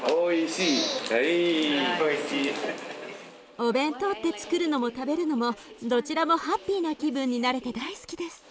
お弁当ってつくるのも食べるのもどちらもハッピーな気分になれて大好きです。